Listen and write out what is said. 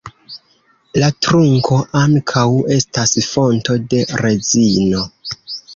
La trunko ankaŭ estas fonto de rezino.